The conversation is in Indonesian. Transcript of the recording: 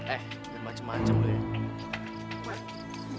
eh beri macem macem lu ya